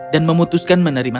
dan memutuskan menerima